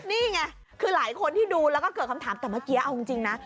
นี่ไงคือหลายคนที่ดูแล้วก็เกิดคำถามแต่เมื่อกี้เอาจริงนะ